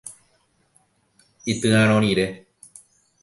Ityarõ rire.